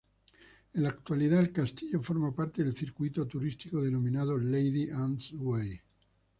En la actualidad el castillo forma parte del circuito turístico denominado Lady Anne's Way.